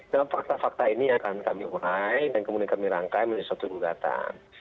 dan fakta fakta ini akan kami mulai dan kemudian kami rangkai menjadi suatu keunggatan